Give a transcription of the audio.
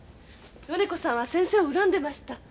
米子さんは先生を恨んでました。